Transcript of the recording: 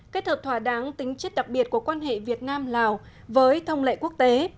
kết hợp thỏa đáng tính chất đặc biệt của quan hệ việt nam lào với thông lệ quốc tế